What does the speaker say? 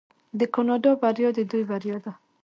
د کاناډا بریا د دوی بریا ده.